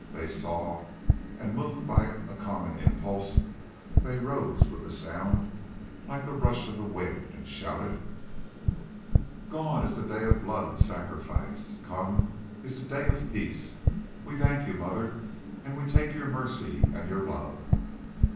They saw, and, moved by a common impulse, they rose with a sound like the rush of the wind and shouted: "Gone is the day of blood and sacrifice, come is the day of peace! We thank you, Mother, and we take your mercy and your love."